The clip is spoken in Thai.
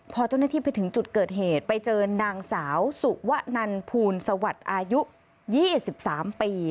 พอเจ้าหน้าที่ไปถึงจุดเกิดเหตุไปเจอนางสาวสุวนันภูลสวัสดิ์อายุ๒๓ปี